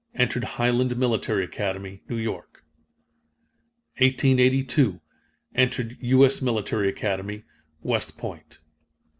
Entered Highland Military Academy, New York. 1882. Entered U. S. Military Academy, West Point.